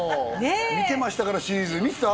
見てましたからシリーズ見てた？